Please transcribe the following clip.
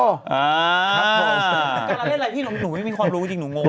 แต่การเล่นอะไรที่หนูไม่มีความรู้จริงหนูงง